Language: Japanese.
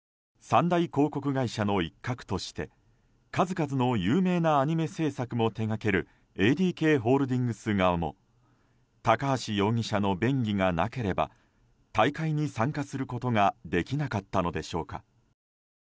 三大広告会社の一角として数々の有名なアニメ制作も手掛けるＡＤＫホールディングス側も高橋容疑者の便宜がなければ大会に参加することができなかったのでしょうか。